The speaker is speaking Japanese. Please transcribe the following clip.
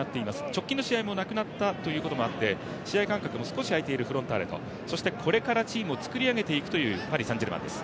直近の試合もなくなったこともあって、試合間隔が少しあいているフロンターレとそしてこれからチームを作り上げていくというパリ・サン＝ジェルマンです。